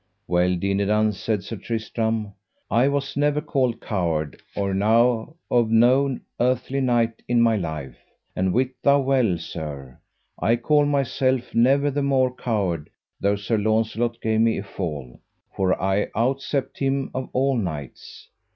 Well, Dinadan, said Sir Tristram, I was never called coward or now of no earthly knight in my life; and wit thou well, sir, I call myself never the more coward though Sir Launcelot gave me a fall, for I outcept him of all knights.